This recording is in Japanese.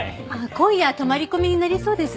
今夜は泊まり込みになりそうです。